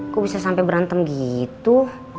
kok bisa sampai berantem gitu